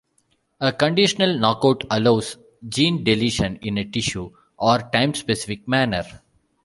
A conditional knockout allows gene deletion in a tissue or time specific manner.